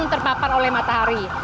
nggak langsung terpapar oleh matahari